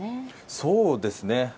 そうですね。